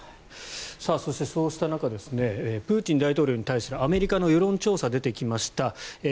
そして、そうした中プーチン大統領に対するアメリカの世論調査が出てきました。